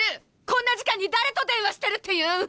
こんな時間に誰と電話してるっていうん！？